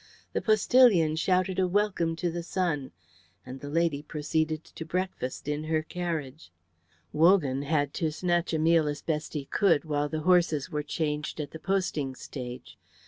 The postillion shouted a welcome to the sun, and the lady proceeded to breakfast in her carriage. Wogan had to snatch a meal as best he could while the horses were changed at the posting stage.